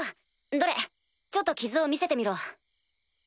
どれちょっと傷を見せてみろ。